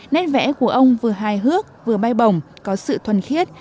nét vẽ của ông vừa hài hước vừa bay bồng có sự thuần khiết